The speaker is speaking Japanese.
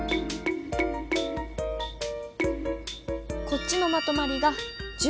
こっちのまとまりが１０。